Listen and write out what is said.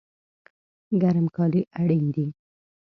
ګرم کالی اړین دي